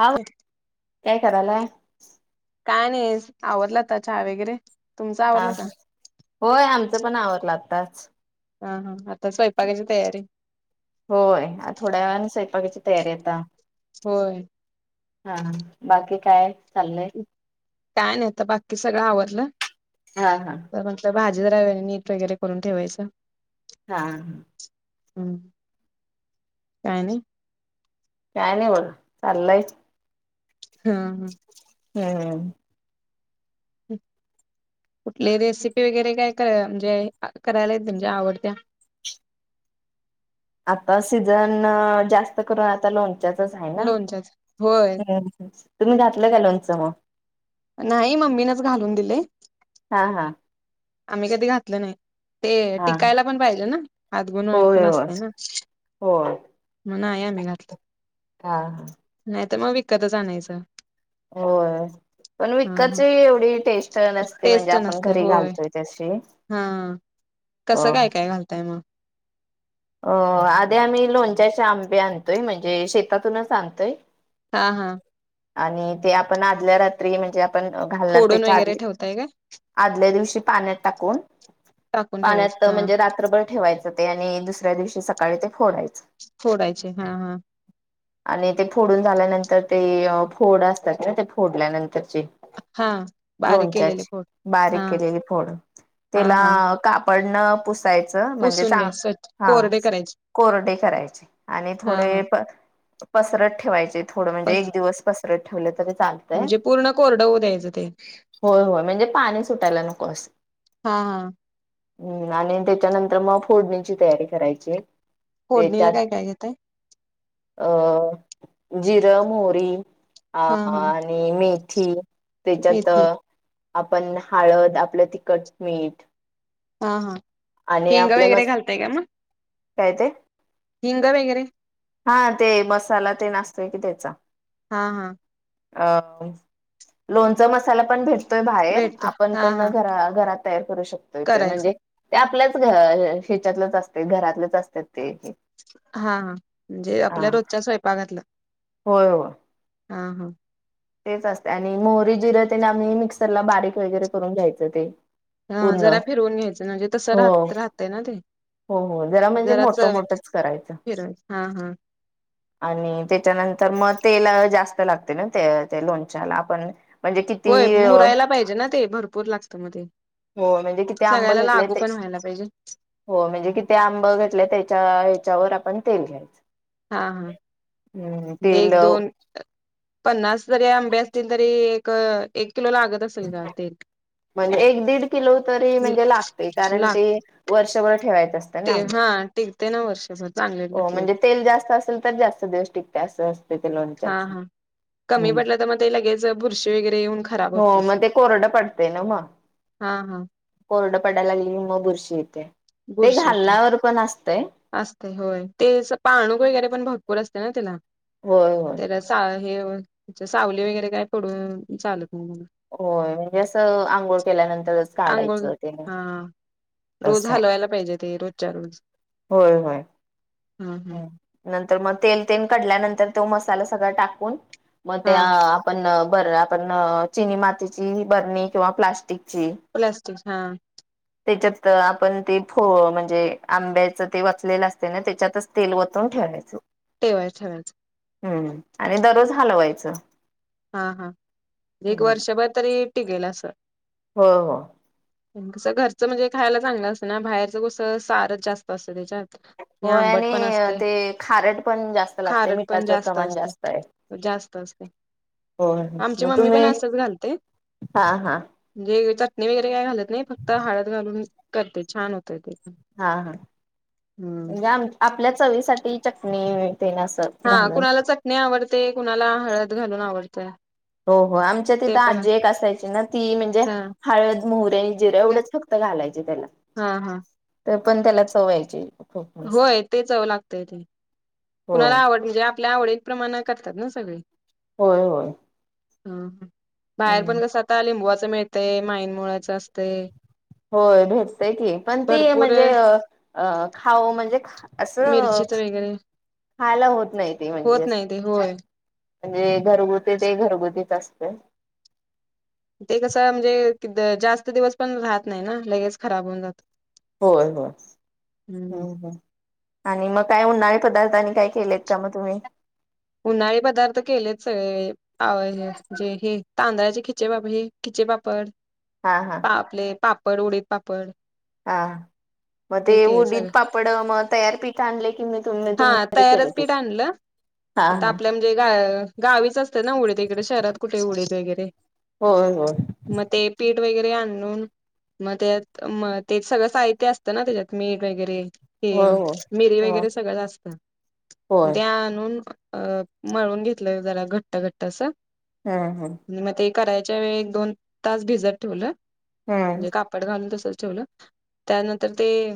हा काय कराला. काय नाही आवडला तर चहा वगैरे.. तुमचं आ आवरलं का होय आमच. पण आवलाता... हा हा आता स्वयंपाकाची तयारी. तेर यता... होय. हा बाकी काय... चाललंय काय नाहीता बाकी. ते सगळं आवडलं... हा हा. भाजी राहा आणि नीट वगैरे करून ठेवायचं. हा हम् काय नाही. काय नाही बोल चाल्लायच.. हा हा. हम्. कुठली रेसिपी वगैरे काय म्हणजे करायला येत म्हणजे आवडत्या. आता सीझन जास्त करून आता लोन... त्यातच आहे ना. लोणच्याच होय तुम्ही घातलं का लोणचं मग नाही मम्मीनेच घालून दिलेय हा हा आम्ही कधी घातलं नाही ते हा टिकायला पण पाहिजे ना हात गुण होय पण होय असत होय ना नाही आम्ही घातलं हा ह नाही तर मग विकतच आणायचं होय पण हा हा विकतची एवढी टेस्ट नसते म्हणजे टेस्ट आपण नसते घरी होय घालतोय त्या हा कसं काय काय घालताय मग अ आधी आम्ही लोणच्याचे आंबे आणतोय म्हणजे शेतातूनच आणतोय हा हा आणि ते आपण आदल्या रात्री म्हणजे घालणार फोडून त्या वगैरे ठेवताय काय? आदल्या दिवशी पाण्यात टाकून टाकून ठेवायचे पाण्यात हा म्हणजे रात्रभर ठेवायच ते आणि दुसऱ्या दिवशी सकाळी ते फोडायच फोडायचे हा हा आणि ते फोडून झाल्यानंतर ते फोड असतात ना ते फोडल्यानंतरचे हा बारीक केलेले लोणच्याची फोड हा बारीक केलेली फोड हा त्याला हा काप पडण पुस् याच म्हणजे पुसून चांग घ्या स्वच्छ हा कोरडे करायचे कोरडे करायचे आणि हा हा थोडे प तपसरत ठेवायचे थोड म्हणजे बस एक दिवस पसर पसरत ठेवले तरच म्हणजे पूर्ण कोरड होवू द्यायचं ते होय होय म्हणजे पाणी सुटायला हा हा हम् आणि त्याच्यानंतर मग फोडणीची तयारी करायची फोडणीला त्याच्यात काय काय घेताय अ जिर मोरी ह हा हा आणि मीठ ठीक त्याच्यात मेथी आपण हळद आपलं तिखट मीठ हा हा आणि हिंग आपले वगैरे मस् घालताय का मग काय ते हिंग वगैरे हा ते मसाला तेन आसतोय की त्येचा हा हा अ लोणचा मसाला पण भेटत बाहेर भेटतं आपण हा पण हा घ घरात तयार करू शकतोय करायचं म्हणजे आपल्या ह्याच्यातलंच असते घरातलेच असतात ते हा म्हणजे हा आपल्या रोजच्या स्वयंपाकातलं होय वा हा हा तेच असते आणि मोहरी जिर आम्ही मिक्स त्याला बारीक वगैरे करून घ्यायचं ते ह पूर्ण जरा फिरवून घ्यायचं म्हणजे तसं हो राह राहतय ना ते हो हो जला म्हणजे जरा मोठ चवेत मोठंच करायचं फिरवायच हा हा आणि त्याच्यानंतर मग तेल जास्त लागते ना ते लोणच्याला आपण म्हणजे किती होय मुरायला पाहिजे ना ते भरपूर लागत तममध्ये [unintelligible] हो म्हणजे किती आंब घेतले ते व्हायला पाहिजे हो म्हणजे किती आंब घेतले त्याच्या त्याच्यावर आपण तेल घ्यायच हा हा म्हणजे तेल एक दोन पन्नास जरी आंबे असतील तरी अ एक किलो लागत असेल का ते म्हणजे एक दीड किलो तरी म्हणजे लागते कारण ते लागत वर्ष वर् ह [unintelligible] ते हा टिकते ना वर्षभर चांगले घातले म्हणजे तेल जास्त असेल तर जास्त दिवस अस असते ते हा हा कमी पडलं तर मग ते लगेच बुरशी वगैरे येऊन खराब होत तसं मगड येनमा हा हा कोरड पडलली हि म बुर्शीी ेते ते बुरशी येत्या घालण्यावर पण असत असते होय ते पाणूक वगैरे पण भरपूर असते ना तिला होय होय हे सावली वगैरे काय पडून चालत नाही होय म्हणजे असं आंघोळ केल्यानंतरच आंघोळ काढायचं ते हा रोज तसं आहे हलवायला पाहिजे ते रोजच्या रोज ह [inaudible] हा हा हम् [unintelligible] तर मग, तेल तेन कढल्यानंतर तो मसाला सगळं टाकून मग त्या हा आपण बर आपण चिनी मातीची बरणी किंवा प्लास्टिक ची प्लास्टिक हा त्याच्यात आपण ते फ म्हणजे आंब्याच ते वचलेलं असते ना त्याच्यातच ते तेल वतून ठेवायचं. [unintelligible] हम्म्म आणि दररोज हलवायचं. हा हा एक वर्षभर तरी टिगेल असं होय होय. कसं घरचं म्हणजे खायला चांगलं असतं ना, बाहेरचं कसं सारच जास्त असतं त्याच्यात. आणि होय आंबट आणि पण असते ते खारट पण जास्त लागते खारट पण मिठाच प्रमाण असते जास्त आहे. जास्त असते हो, आमची मग मम्मी पण तुम्ही? असंच घालते हा हा. चटणी वगैरे काय घालत नाही फक्त हाळद घालून करते छान होतय ते पण हा हा हम्म म्हणजे आम आपल्यात चवी साठी चटणी वे हा कुणाला चटणी आवडते कुणाला हळद घालून आवडतय हो हो आमच्या तिथं आजी एक असायची ना ती म्हणजे हा हळद मोहरे आणि जिर एवढंच फक्त घालायचे त्याला हा हा तर पण त्याला चव्हायचे होय ते चवं लागतय ते कुणाला होय आवड जे आपल्या आवडीत प्रमाण करतात ना सगळे होय होय ह हा बाहेर हम्म पण कसं आता लिंबवाच मिळतय माईन मुळ्याचं असतय होय भेटतेय की, पण ती भरपूर म्हणजे अ अ खाऊ म्हणजे असं मिरचीच वगैरे खायला होत नाही ते म्हणजे होत नाही ते होय म्हणजे घरगुती ते घरगुतीच असते. ते कसं म्हणजे जास्त दिवस पण राहत नाही ना लगेच खराब होऊन जात. होय होय हम्म हम हम. आणि मग काय उन्हाळे पदार्थनी काय केलेत का मग तुम्ही? उन्हाळी पदार्थ केलेच जे हे तांदळाचे खिचे हे खिचे पापड हा हा पा आपले पाप पड उडीत पापड. हा मग ते केले उडीद सगळं पापड मग तयारपीठ आणले की म हा तयारच पीठ आणलं हा आता हा आपल्या म्हणजे ग गावीच असते ना उडते इकडे शहरात कुठे उडीते वगैरे ते होय होय मग पीठ वगैरे आणून मग त्यात ते सगळं साहित्य असतं ना त्याच्यात मीठ वगैरे ह होय होय मिरी ह वगैरे सगळं असत होय द्या आणून अ मळून घेतलं जरा घट्ट घट्ट असं हम् हम् मग ते करायच्या वेळ दोन तास भिजत ठुलं हम्म म्हणजे कापड घालून तसच ठेवलं त्यानंतर ते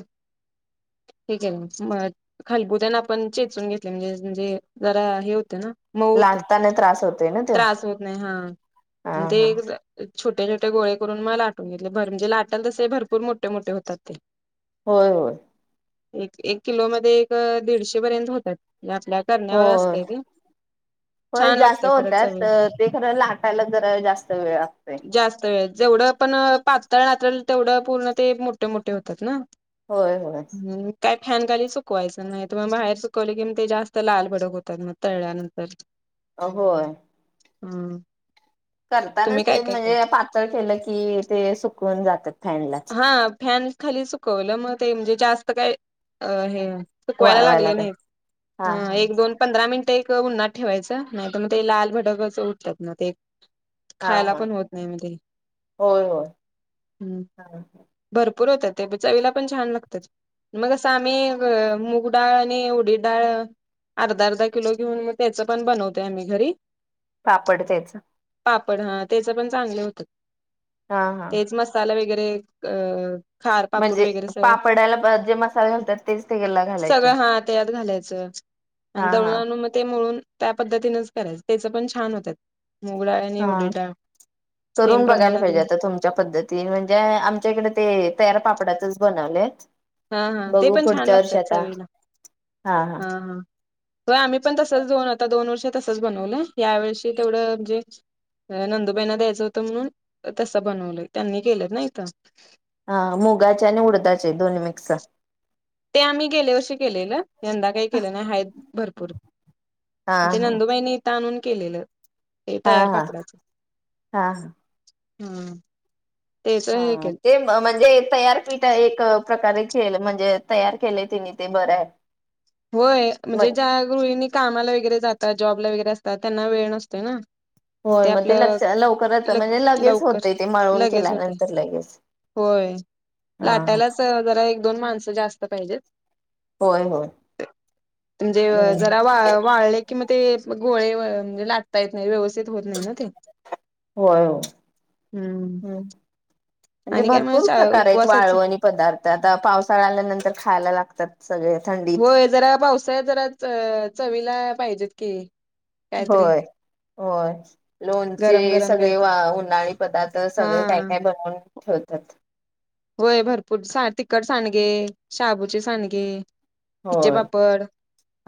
क आहे ना म खालबुत्यांना आपण चेचून घेतले म्हणजे म्हणजे जरा हे होते ना मऊत होत लाटताना त्रास होतोय ना तो त्रास होत नाही हा हा म्ह ते हा छोटे छोटे गोळे करून म लाटून घेतले भर म्हणजे लाटेल तसे भरपूर मोठे मोठे होतात ते होय होय एक एक किलो मध्ये दीडशे पर्यंत होतात आपल्या हो करण्यावर असतय ते होय छान जास्त लागते खरं होत चवी ते खरं लाटायला जरा जास्त वेळ लागतोय तळहाताला तेवढं पूर्ण ते मोठे मोठे होतात ना होय होय काय फॅन गाली स शिकवायचं नाही तर म बाहेर सुकवल की ते जास्त लालबडक होतात मग तळल्यानंतर अ हो हम करतानाच ते म्हणजे पातळ केलं की ते सुकवून जात हा फॅन खाली चकवलं मग ते म्हणजे जास्त काय हे सुकवायला लागले वाळवायला काय हा नाही हा एक दोन पंधरा मिनट ते एक उन्हात ठेवायचं नाही तर मग ते लाल भडकच उठतात म ते हा खायला हा पण होत नाही म ते होय होय बर भरपूर होतात ते चवीला पण छान लागतात मग असं आम्ही मूग डाळ आणि उडीद डाळ अर्धा अर्धा किलो घेऊन मग त्याच पण बनवत आम्ही घरी पापड त्याच पापड हा त्याच पण चांगले होतं हा हा तेच मसाला व वगैरे... अ. खार पापूड म्हणजे वगैरे सगळं पापडाला जे मसाले घालतात तेच त्याला घालायचे. सगळं हा त्यात घालायचं आणि हा हा दळणाणू मग ते मळून... त्या पद्धतीनच करायच त्याच पण छान होत. हा सेम करून बघायला प्रमाणात पाहिजे घेऊन आता तुमच्या पद्धतीने म्हणजे आम... त्याच्याकडे ते तयार पापडाचच बनवले. हा हा ते पण छान लागतात सळीला हा हा. हो आम्ही पण तसच दऊन आता दोन वर्ष तसच बनवलंय या वर्षी तेवढं म्हणजे नंदुबाईंना द्यायचं होतं म्हणून तसं बनवलंय त्यांनी केलं नाहीत. हा मुगाचे आणि उडदाचे दोन मिक्स... ते आम्ही गेले वर्षी केलेलं. यंदा काही केले नाही आहेत भरपूर हा ते नंदूबाईनी इथ आणून... केलेलं. ते हा तयार हा पापडाचं हा हा. हम्म. हा ते म्हणजे तयारपीठ एक. प्रकारे खेळ म्हणजे तयार केले तिने ते बरं आहे. होय म म्हणजे ज्या गृहिणी कामाला वगैरे जात जॉबला वगरे अस... त्यांना वेळ नसतोय ना. होय मग ते लक्ष लवकरच ल म्हणजे लगेच लवकर होतय ते मळून लगेच होते केल्यानंतर लगेच होय हा लाटायलाच जरा एक दोन माणसं जास्त पाहिजेत. होय होय. म्हणजे जरा वा वाळले कि मग... ते गोळे म्हणजे लागता येत नाही व्यवस्थित. होत नाही ना तेम्.. होय हो म्हणजे भरपूर प्रकार आहेत वाळव आणि पदार्थ आता पावसाळा आल्यानंतर खायला लागतो. सत्... सगळे थंडीत... होय जरा पावसाळ्यात जरा चवीला पाहिजेत की. काहीतरी होय होय लोणचे गरम गरम सगळे वा काहीतरी उन्हाळी पदार्थ हा सगळे काय काय बनवून. ठोतात. होय भरपूर तिकट सांडगे शाबूचे सांडगे... खि्चे होय पापड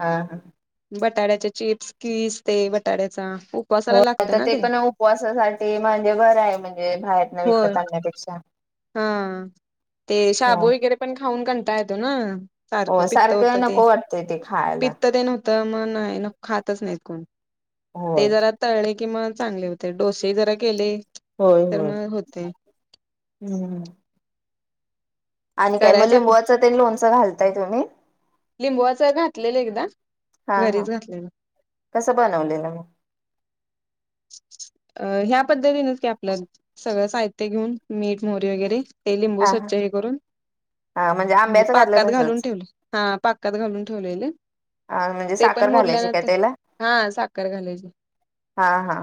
हा हा. बटाट्याच्या चिप्स किस ते बटाट्याचा.. उपवासाला हो लागतं तर ना ते पण उपवासासाठी म्हणजे घरं आहे म्हणजे बाहेरन होय. विकत आणण्यापेक्षा... हा ते हो शाबू वगैरे पण खा. अन कणताायतो ना हो सारखं नको वाटतंय ते खायला तर मग आहे न खातच नाहीत कोण होय ते जरा तळणे किंवा चांगले होते डोसे जरा केले होय होय. तरमाय होते हम्म आणि काय म करायच लिंबवाचा ते लोन घालताय तुम्ही लिंबुवाच घातलेलं एकदा, हा हा घरीच घातलेलं कसं बनवलेलं मग? अ ह्या पद्धतीनेच कि आपलं सगळं साहित्य घेऊन, मीठ मोहरी वगैरे ते लिंबू हा हा स्वच्छ हे करून हा म्हणजे आंब्याचं घातलं पाकात घालून तसंच ठेवले हा पाकात घालून ठेवलेले म्हणजे ते पण साखर घालायची काय मुरल्यानंतर त्याला? हा साखर घालायची हा हा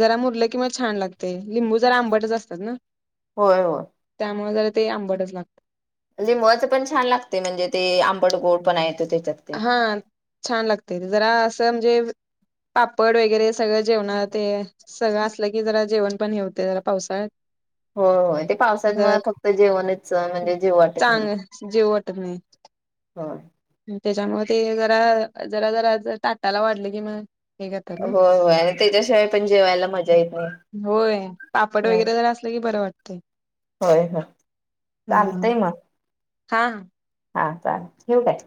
जरा मुरलं किंवा छान लागते लिंबू जरा आंबटच असतात ना. होय होय. त्यामुळे ते आंबटच लागत लिंबावायचं पण छान लागते, म्हणजे ते आंबड गोड पण आहेत हा छान लागते जरा असं म्हणजे पापड वगैरे सगळं जेवण ते सगळं असलं की जरा जेवण पण हेवते जरा पावसाळ्यात हो हो ते पावसात म जरा फक्त जेवणच म्हणजे जेव वाटत नाही चांग जेव वाटत नाही होय त्याच्यामुळे ते जरा जरा जरा ताटाला वाढलं कि मग? हे करतात हो ना हो आणि त्याच्याशिवाय पण जेवायला मजा येत नाही. हम्. ओक [unintelligible] होय हो चालतंय मग हा हा काय, ठेऊ काय?